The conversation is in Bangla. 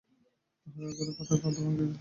তাহাদের গাড়ি পথের মধ্যে ভাঙিয়া গিয়াছিল।